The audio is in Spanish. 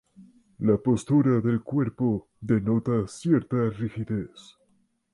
La postura del cuerpo denota cierta rigidez.